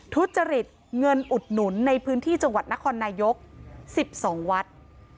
ทุจริตเงินอุดหนุนในพื้นที่จังหวัดนครนายก๑๒วัด